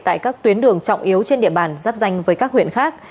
tại các tuyến đường trọng yếu trên địa bàn giáp danh với các huyện khác